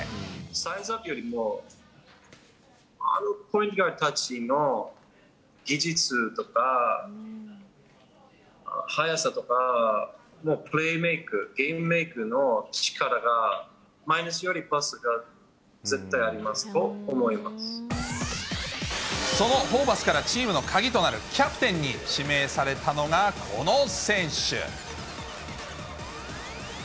サイズアップよりも、ポイントガードたちの技術とか速さとか、もうプレーメーク、ゲームメークの力が、マイナスよりプラスが絶そのホーバスから、チームの鍵となるキャプテンに指名されたのが、この選手。